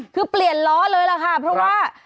คือเปลี่ยนล้อเลยล่ะค่ะเพราะว่า